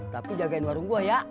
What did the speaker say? tapi jagain warung gue ya